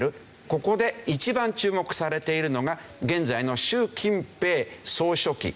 ここで一番注目されているのが現在の習近平総書記。